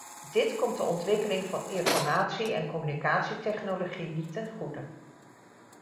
Dit komt de ontwikkeling van informatie- en communicatietechnologie niet ten goede.